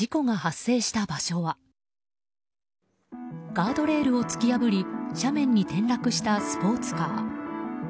ガードレールを突き破り斜面に転落したスポーツカー。